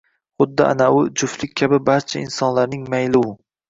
Xuddi anavi juftlik kabi barcha insonlarning mayli u.